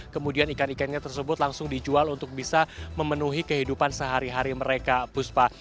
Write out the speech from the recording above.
kemudian ikan ikannya tersebut langsung dijual untuk bisa memenuhi kehidupan sehari hari mereka puspa